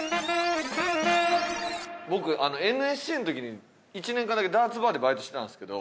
僕ＮＳＣの時に１年間だけダーツバーでバイトしてたんですけど。